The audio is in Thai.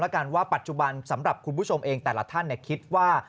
คุณผู้ชมเองแต่ละท่านคิดว่า